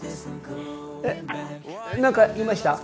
えっ何か言いました？